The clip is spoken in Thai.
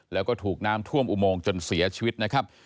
แล้วก็ถูกน้ำท่วมอุโมงจนเสียชีวิตนะครับ